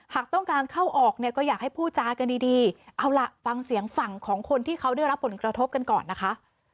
หากต้องการเข้าออกเนี่ยก็อยากให้พูดจากันดีดีเอาล่ะฟังเสียงฝั่งของคนที่เขาได้รับผลกระทบกันก่อนนะคะ